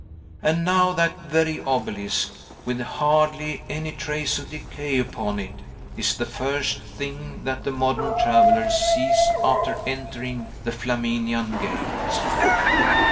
And now that very obelisk, with hardly a trace of decay upon it, is the first thing that the modern traveller sees after entering the Flaminian Gate!